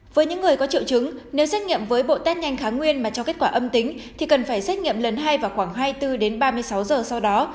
với những người có triệu chứng nếu xét nghiệm với bộ test nhanh kháng nguyên mà cho kết quả âm tính thì cần phải xét nghiệm lần hai vào khoảng hai mươi bốn ba mươi sáu giờ sau đó